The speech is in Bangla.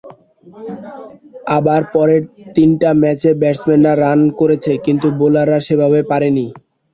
আবার পরের তিনটা ম্যাচে ব্যাটসম্যানরা রান করেছে কিন্তু বোলাররা সেভাবে পারেনি।